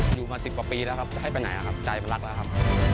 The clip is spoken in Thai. อยู่มา๑๐กว่าปีแล้วครับให้ไปไหนครับใจมันรักแล้วครับ